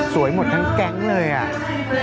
หมดทั้งแก๊งเลยอ่ะ